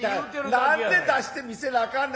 何で出して見せなあかんねん。